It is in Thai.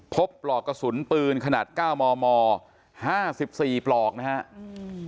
พบปลอกกระสุนปืนขนาด๙มม๕๔ปลอกนะครับ